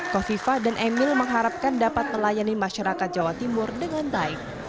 kofifa dan emil mengharapkan dapat melayani masyarakat jawa timur dengan baik